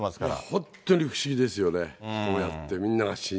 本当に不思議ですよね。